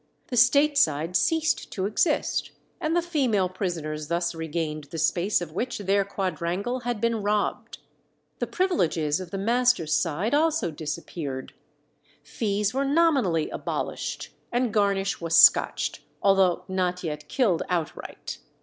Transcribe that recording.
The state side ceased to exist, and the female prisoners thus regained the space of which their quadrangle had been robbed. The privileges of the master's side also disappeared; fees were nominally abolished, and garnish was scotched, although not yet killed outright.